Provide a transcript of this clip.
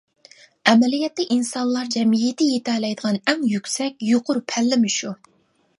ئەمەلىيەتتە ئىنسانلار جەمئىيىتى يېتەلەيدىغان ئەڭ يۈكسەك، يۇقىرى پەللىمۇ شۇ.